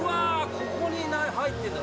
ここに入ってるんだ。